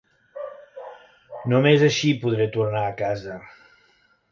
Només així podré tornar a casa.